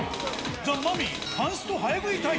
ザ・マミィパンスト早食い対決。